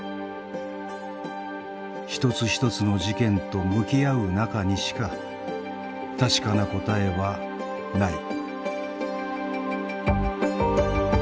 一つ一つの事件と向き合う中にしか確かな答えはない。